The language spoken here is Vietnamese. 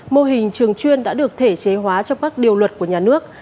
mô hình trường chuyên đã được thể chế hóa trong các điều luật của nhà nước